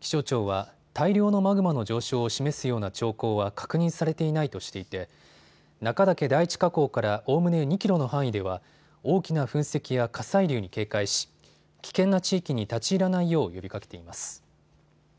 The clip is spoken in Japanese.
気象庁は大量のマグマの上昇を示すような兆候は確認されていないとしていて中岳第一火口からおおむね２キロの範囲では大きな噴石や火砕流に警戒し危険な地域に立ち入らないよう呼びかけています。